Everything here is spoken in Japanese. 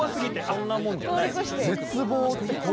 そんなもんじゃない。